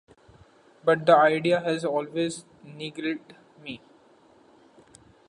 But the idea has always niggled me.